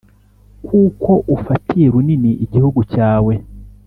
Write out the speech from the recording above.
Kuko ufatiye runini igihugu cyawe,